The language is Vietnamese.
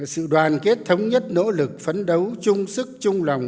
sự đoàn kết thống nhất nỗ lực phấn đấu chung sức chung lòng